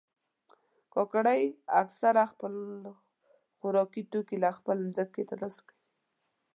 کاکړي اکثره خپل خوراکي توکي له خپلې ځمکې ترلاسه کوي.